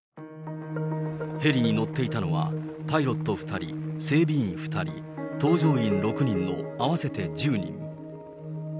ヘリに乗っていたのは、パイロット２人、整備員２人、搭乗員６人の合わせて１０人。